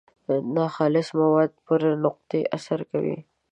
ناخالص مواد پر نقطې اثر کوي.